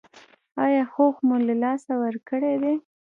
ایا هوښ مو له لاسه ورکړی دی؟